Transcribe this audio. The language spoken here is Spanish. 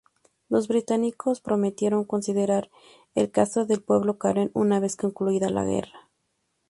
Los británicos prometieron considerar el caso del Pueblo Karen una vez concluida la guerra.